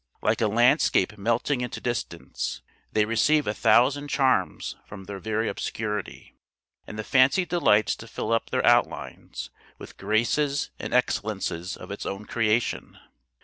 Like a landscape melting into distance, they receive a thousand charms from their very obscurity, and the fancy delights to fill up their outlines with graces and excellences of its own creation.